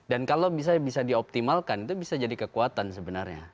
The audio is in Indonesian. dan kalau bisa dioptimalkan itu bisa jadi kekuatan sebenarnya